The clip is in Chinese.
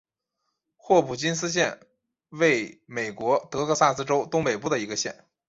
霍普金斯县位美国德克萨斯州东北部的一个县。